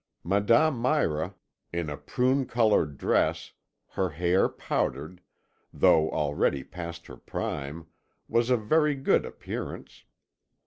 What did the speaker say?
Madame Mira, in a prune coloured dress, her hair powdered, though already past her prime, was of very good appearance.